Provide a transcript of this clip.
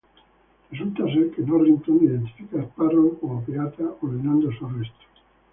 Resulta ser que Norrington identifica a Sparrow como pirata, ordenando su arresto.